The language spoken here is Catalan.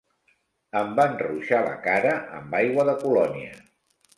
Em van ruixar la cara amb aigua de Colònia.